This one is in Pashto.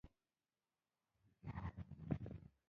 کتابچه کې باید بېنظمي نه وي